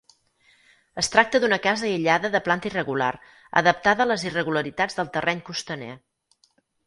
Es tracta d'una casa aïllada de planta irregular, adaptada a les irregularitats del terreny costaner.